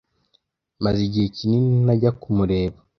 maze igihe kinini ntajya kumureba